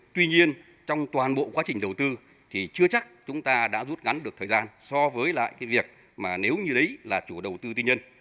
tuy nhiên trong toàn bộ quá trình đầu tư thì chưa chắc chúng ta đã rút ngắn được thời gian so với lại cái việc mà nếu như đấy là chủ đầu tư tư nhân